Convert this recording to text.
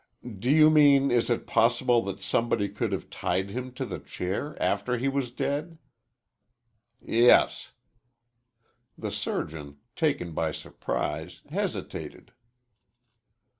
"Do you mean, is it possible that somebody could have tied him to the chair after he was dead?" "Yes." The surgeon, taken by surprise, hesitated.